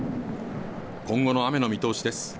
今後の雨の見通しです。